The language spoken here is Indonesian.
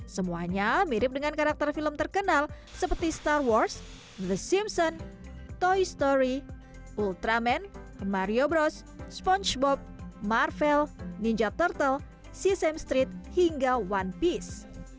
semuanya mirip dengan karakter film terkenal seperti star wars the simpson toy story ultramen mario bros spongebob marvel ninja tortle season street hingga one peace